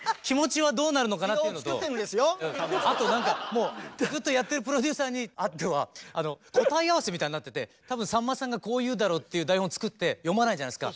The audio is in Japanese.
あと何かもうずっとやってるプロデューサーにあっては答え合わせみたいになってて多分さんまさんがこう言うだろうっていう台本作って読まないじゃないですか。